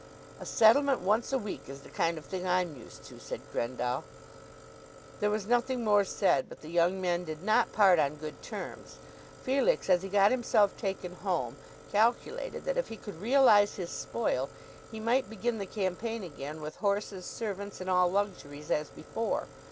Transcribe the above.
"A settlement once a week is the kind of thing I'm used to," said Grendall. There was nothing more said; but the young men did not part on good terms. Felix, as he got himself taken home, calculated that if he could realize his spoil, he might begin the campaign again with horses, servants, and all luxuries as before.